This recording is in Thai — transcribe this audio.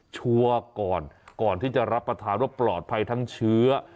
ชัวร์ก่อนก่อนที่จะรับประทานว่าปลอดภัยทั้งเชื้อ